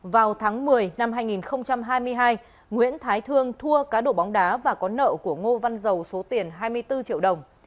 vào tháng một mươi năm hai nghìn hai mươi hai nguyễn thái thương thua cá độ bóng đá và có nợ của ngô văn dầu số tiền hai mươi bốn triệu đồng